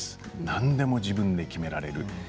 何でも自分で決められる。